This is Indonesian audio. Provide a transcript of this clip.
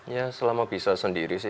ya selama bisa sendiri